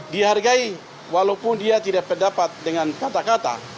dihargai walaupun dia tidak pendapat dengan kata kata